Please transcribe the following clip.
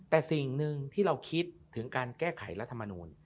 แต่สิ่งหนึ่งที่เราคิดถึงการแก้ไขรัฐมนูล